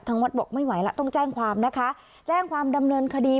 วัดบอกไม่ไหวแล้วต้องแจ้งความนะคะแจ้งความดำเนินคดี